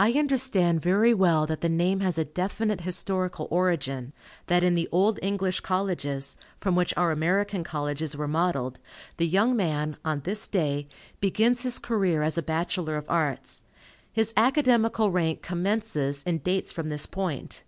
I understand very well that the name has a definite historical origin, that in the old English Colleges, from which our American Colleges were modelled, the young man, on this day, begins his career as a Bachelor of Arts. His academical rank "commences" and dates from this point.